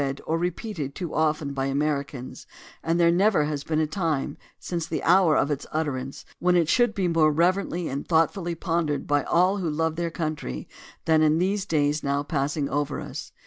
134 THE DEMOCRACY OF ABRAHAM LINCOLN or repeated too often by Americans and there never has been a time since the hour of its utterance when it should be more reverently and thoughtfully pon dered by all who love their country than in these days now passing over us.